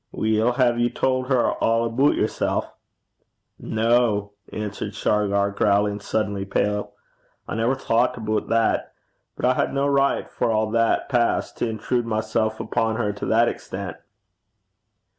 'Weel, hae ye tauld her a' aboot yersel'?' 'No!' answered Shargar, growing suddenly pale. 'I never thocht aboot that. But I had no richt, for a' that passed, to intrude mysel' upo' her to that extent.'